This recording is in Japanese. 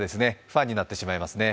ファンになってしまいますね。